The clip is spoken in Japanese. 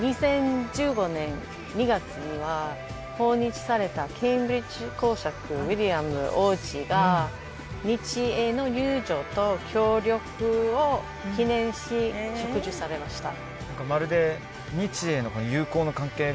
２０１５年２月には訪日されたケンブリッジ公爵ウィリアム王子が日英の友情と協力を記念し植樹されました